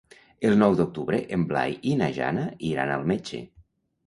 El nou d'octubre en Blai i na Jana iran al metge.